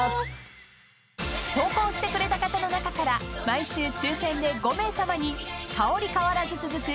［投稿してくれた方の中から毎週抽選で５名さまに香り変わらず続く